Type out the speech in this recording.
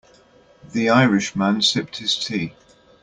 The Irish man sipped his tea.